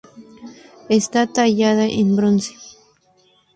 Está tallada en bronce.